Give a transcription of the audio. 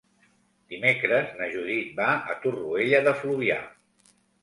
Dimecres na Judit va a Torroella de Fluvià.